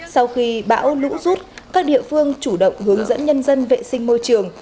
sau khi bão lũ rút các địa phương chủ động hướng dẫn nhân dân vệ sinh môi trường